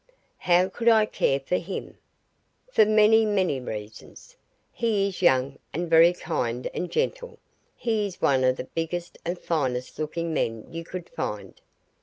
"How could I care for him?" "For many, many reasons. He is young, and very kind and gentle. He is one of the biggest and finest looking men you could find.